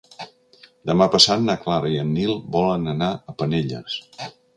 Demà passat na Clara i en Nil volen anar a Penelles.